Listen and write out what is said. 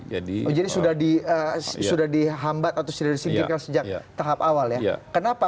jadi sudah dihambat atau sudah disingkirkan sejak tahap awal ya